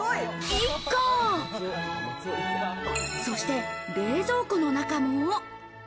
そして冷蔵庫の中も。